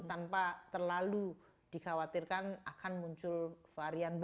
tanpa terlalu dikhawatirkan akan muncul varian baru